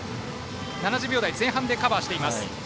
７０秒台前半でカバーしています。